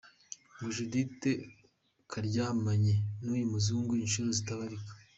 Ngo Judithe yaryamanye n’uyu muzungu inshuro zitabarika.